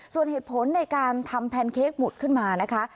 ส่วนเหตุผลในการทำแพนเค้กหมุดขึ้นมานะคะ